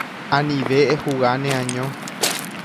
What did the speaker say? Anive ehuga neaño.